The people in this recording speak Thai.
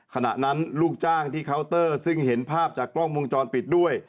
ขณะนั้นลูกจ้างที่เคาน์เตอร์ซึ่งเห็นภาพจากกล้องวงจรปิดด้วย